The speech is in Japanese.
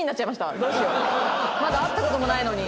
まだ会った事もないのに。